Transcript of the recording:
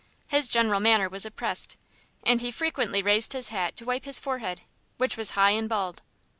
His general manner was oppressed, and he frequently raised his hat to wipe his forehead, which was high and bald.